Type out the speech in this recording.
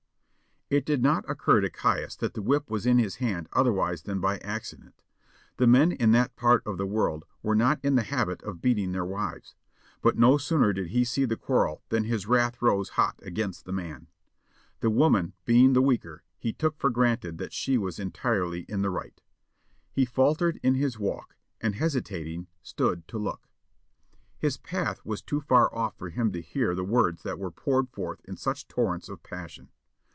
It did not occur to Caius that the whip was in his hand otherwise than by accident. The men in that part of the world were not in the habit of beating their wives, but no sooner did he see the quarrel than his wrath rose hot against the man. The woman being the weaker, he took for granted that she was entirely in the right. He faltered in his walk, and, hesitating, stood to look. His path was too far off for him to hear the words that were poured forth in such torrents of passion.